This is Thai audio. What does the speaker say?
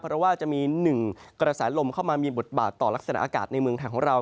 เพราะว่าจะมีหนึ่งกระแสลมเข้ามามีบทบาทต่อลักษณะอากาศในเมืองไทยของเรา